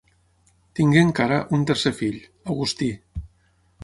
Tingué encara un tercer fill, Agustí.